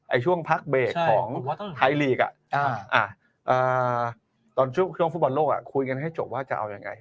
ช่วงพักเบรกของไทยลีกตอนช่วงฟุตบอลโลกคุยกันให้จบว่าจะเอายังไง